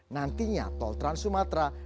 nantinya tol trans sumatra